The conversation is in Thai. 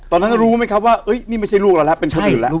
ตอนนั้นรู้ไหมครับว่านี่ไม่ใช่ลูกเราแล้วเป็นคนอื่นแล้ว